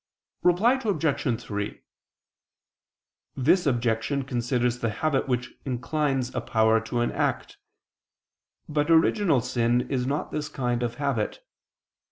Reply Obj. 3: This objection considers the habit which inclines a power to an act: but original sin is not this kind of habit.